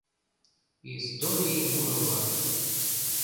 ИСТОРИЙ МУРО-ВЛАК.